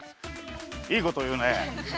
いいこというね。